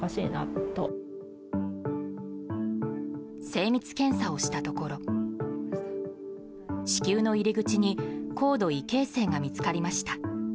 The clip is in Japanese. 精密検査をしたところ子宮の入り口に高度異形成が見つかりました。